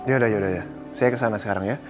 yaudah yaudah saya kesana sekarang ya